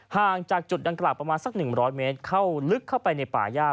ห่างจากจุดดังกล่าวประมาณสัก๑๐๐เมตรเข้าลึกเข้าไปในป่าย่า